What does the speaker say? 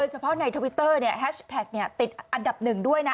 เฉพาะในทวิตเตอร์แฮชแท็กติดอันดับหนึ่งด้วยนะ